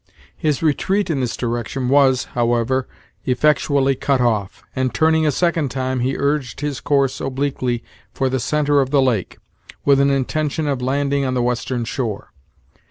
His retreat in this direction was, however, effectually cut off, and, turning a second time, he urged his course obliquely for the centre of the lake, with an intention of landing on the western shore.